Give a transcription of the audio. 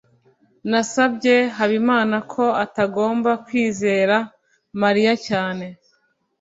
nasabye habimana ko atagomba kwizera mariya cyane